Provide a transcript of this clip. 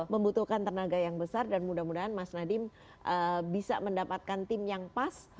membutuhkan tenaga yang besar dan mudah mudahan mas nadiem bisa mendapatkan tim yang pas